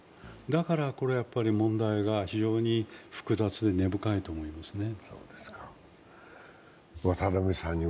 だから、これは問題が非常に複雑で根深いと思いますね。